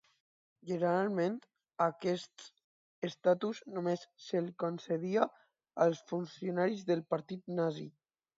Generalment, aquests estatus només se'l concedia als funcionaris del partit Nazi.